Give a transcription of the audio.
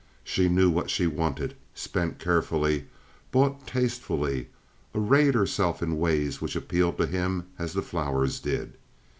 She knew what she wanted, spent carefully, bought tastefully, arrayed herself in ways which appealed to him as the flowers did.